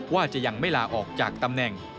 ว่าจะยังไม่ลาออกจากตำแหน่ง